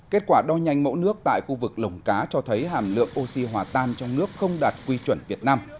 kết quả đo nhanh mẫu nước tại khu vực lồng cá cho thấy hàm lượng oxy hòa tan trong nước không đạt quy chuẩn việt nam